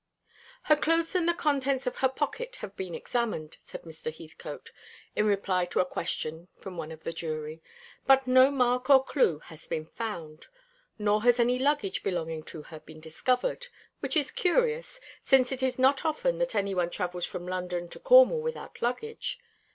"Her clothes and the contents of her pocket have been examined," said Mr. Heathcote, in reply to a question from one of the jury, "but no mark or clue has been found. Nor has any luggage belonging to her been discovered, which is curious, since it is not often that any one travels from London to Cornwall without luggage.